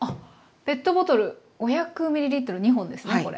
ペットボトル５００ｍ２本ですねこれ。